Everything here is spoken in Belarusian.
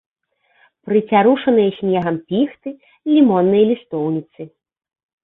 Прыцярушаныя снегам піхты, лімонныя лістоўніцы.